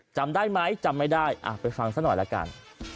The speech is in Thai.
จำได้ไหมจำไม่ได้ไปฟังซะหน่อยละกัน